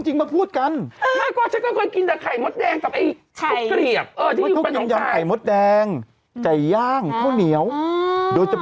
จะดราม่าอะไรกันก็แล้วแต่